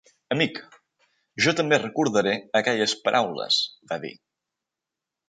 "Amic, jo també recordaré aquelles paraules", va dir.